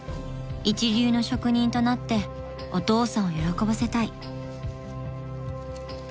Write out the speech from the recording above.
［一流の職人となってお父さんを喜ばせたい］